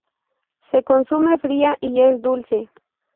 Se consume fría y es dulce.